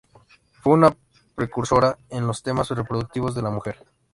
Fue una precursora en los temas reproductivos de la mujer.